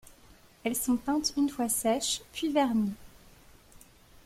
Elles sont peintes une fois sèches, puis vernies.